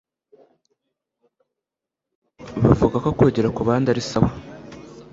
bavuga ko kwigira kubandi arisawa